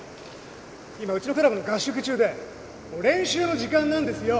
今うちのクラブの合宿中でもう練習の時間なんですよ！